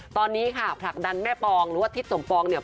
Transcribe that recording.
ตอนนี้ค่ะผลักดันแม่ปองหรือว่าทิศสมปองเนี่ย